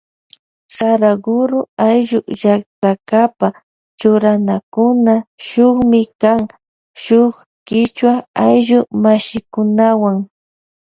Saraguro ayllu llaktakapa churanakuna shukmi kan shuk kichwa ayllu mashikunawan.